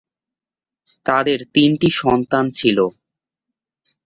তাদের তিনটি সন্তান ছিল।